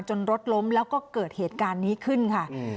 รถล้มแล้วก็เกิดเหตุการณ์นี้ขึ้นค่ะ